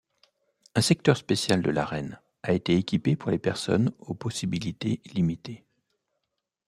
Un secteur spécial de l’arène a été équipé pour les personnes aux possibilités limitées.